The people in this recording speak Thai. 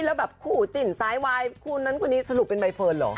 แล้วแบบคู่จิ่นซ้ายวายคู่นั้นคนนี้สรุปเป็นใบเฟิร์นเหรอ